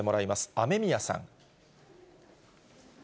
雨宮さん。